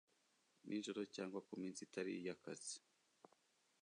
ninjoro cyangwa ku minsi itari iy akazi